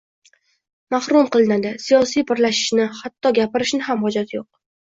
mahrum qilinadi, siyosiy birlashishni - hatto gapirishning ham hojati yo‘q.